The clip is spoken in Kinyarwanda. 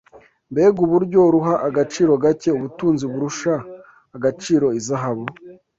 Mbega uburyo ruha agaciro gake ubutunzi burusha agaciro izahabu